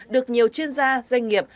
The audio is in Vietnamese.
được nhiều chuyên gia doanh nghiệp